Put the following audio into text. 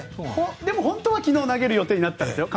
でも本当は昨日投げる予定だったんです。